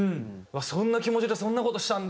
そんな気持ちでそんな事したんだ